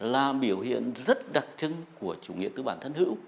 là biểu hiện rất đặc trưng của chủ nghĩa tư bản thân hữu